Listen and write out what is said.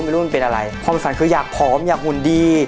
มันเป็นอะไรความฝันคืออยากผอมอยากหุ่นดี